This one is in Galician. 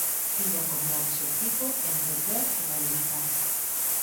Tiña como obxectivo entreter e galeguizar.